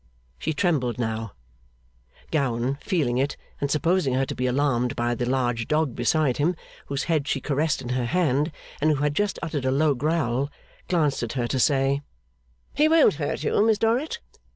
She trembled now; Gowan, feeling it, and supposing her to be alarmed by the large dog beside him, whose head she caressed in her hand, and who had just uttered a low growl, glanced at her to say, 'He won't hurt you, Miss Dorrit.